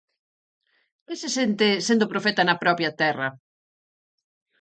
Que se sente sendo profeta na propia terra?